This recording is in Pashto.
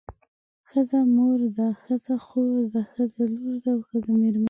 ښځه مور ده ښځه خور ده ښځه لور ده او ښځه میرمن ده.